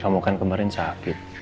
kamu kan kemarin sakit